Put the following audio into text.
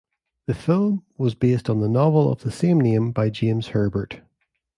The film was based on the novel of the same name by James Herbert.